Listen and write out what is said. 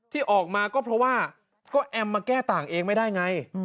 ที่ออกมาก็เพราะว่าก็แอมมาแก้ต่างเองไม่ได้ไง